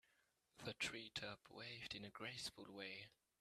The tree top waved in a graceful way.